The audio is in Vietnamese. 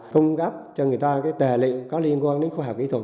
cung cấp cho người ta tề lịnh có liên quan đến khóa học kỹ thuật